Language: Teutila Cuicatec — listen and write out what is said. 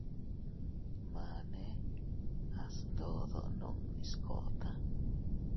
Mane a sndodo nunni skota.